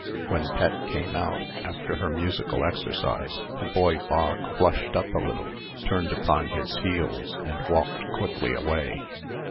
When Pet came out, after her musical exercise, the boy Bog flushed up a little, turned upon his heels, and walked quickly away.